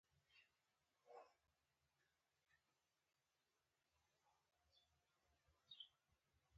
د غوا شیدې د وټامینونو او کلسیم ښه سرچینه ده.